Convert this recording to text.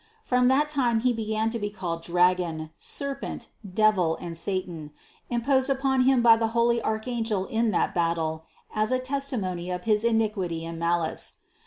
From that time he began to be called dragon, serpent, devil and satan, imposed upon him by the holy archangel in that battle as a testimony of his iniquity and malice.